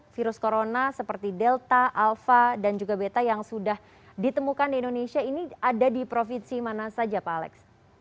virus corona seperti delta alpha dan juga beta yang sudah ditemukan di indonesia ini ada di provinsi mana saja pak alex